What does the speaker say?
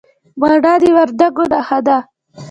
مڼه د وردګو نښه ده.